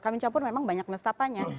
kami campur memang banyak lestapanya